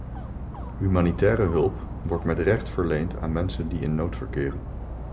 Humanitaire hulp wordt met recht verleend aan mensen die in nood verkeren.